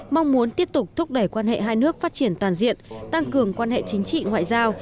mong muốn tiếp tục thúc đẩy quan hệ hai nước phát triển toàn diện tăng cường quan hệ chính trị ngoại giao